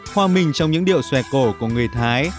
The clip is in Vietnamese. hòa mình trong những điệu xòe cổ của người thái